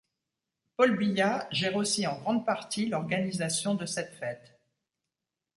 Paul Billat gère aussi en grande partie l'organisation de cette fête.